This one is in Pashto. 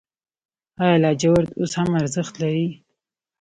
آیا لاجورد اوس هم ارزښت لري؟